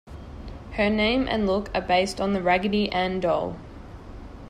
Her name and look are based on the Raggedy Ann doll.